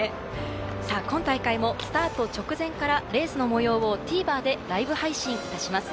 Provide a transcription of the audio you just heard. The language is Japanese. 今大会もスタート直前からレースの模様をＴＶｅｒでライブ配信いたします。